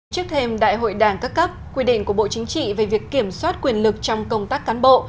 trước thêm đại hội đảng các cấp quy định của bộ chính trị về việc kiểm soát quyền lực trong công tác cán bộ